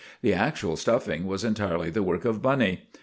The actual stuffing was entirely the work of Bunny.